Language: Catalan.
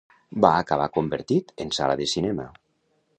Va acabar convertit en sala de cinema.